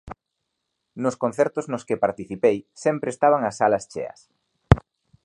Nos concertos nos que participei sempre estaban as salas cheas.